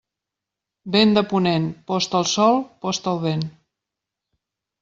Vent de ponent: post el sol, post el vent.